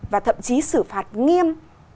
và thậm chí xử phạt nghiêm